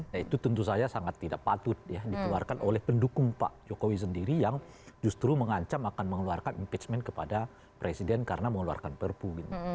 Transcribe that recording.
nah itu tentu saja sangat tidak patut ya dikeluarkan oleh pendukung pak jokowi sendiri yang justru mengancam akan mengeluarkan impeachment kepada presiden karena mengeluarkan perpu gitu